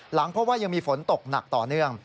พบว่ายังมีฝนตกหนักต่อเนื่อง